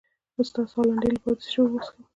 د ساه لنډۍ لپاره د څه شي اوبه وڅښم؟